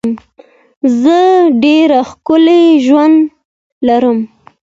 زه ډېر ښکلی ژوند لرم.